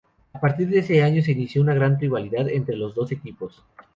A partir de ese año se inició una gran rivalidad entre los dos equipos.